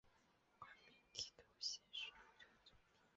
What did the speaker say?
官至提督衔徐州镇总兵。